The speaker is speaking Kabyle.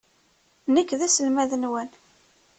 Nekk d aselmad-nwen.